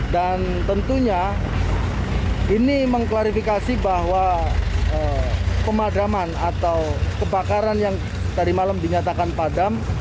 dan tentunya ini mengklarifikasi bahwa kemadaman atau kebakaran yang tadi malam dinyatakan padam